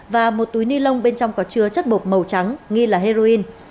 và một túi ni lông bên trong có chứa chất bột màu trắng nghi là heroin